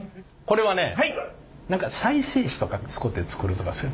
これはね何か再生紙とか使て作るとかそういう。